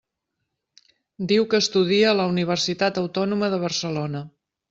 Diu que estudia a la Universitat Autònoma de Barcelona.